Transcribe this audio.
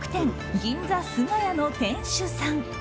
銀座すが家の店主さん。